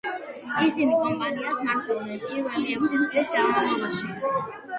ისინი კომპანიას მართავდნენ პირველი ექვსი წლის განმავლობაში.